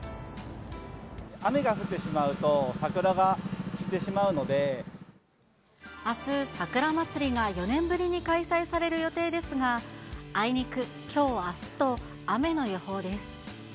雨が降ってしまうと、桜が散あす、さくらまつりが４年ぶりに開催される予定ですが、あいにく、きょう、あすと雨の予報です。